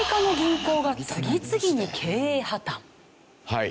はい。